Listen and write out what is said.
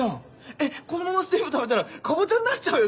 えっこのまま全部食べたらカボチャになっちゃうよ